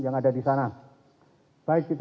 yang ada di sana baik itu